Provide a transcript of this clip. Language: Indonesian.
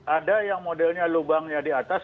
ada yang modelnya lubangnya di atas